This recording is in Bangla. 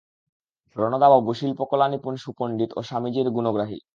রণদাবাবু শিল্পকলানিপুণ সুপণ্ডিত ও স্বামীজীর গুণগ্রাহী।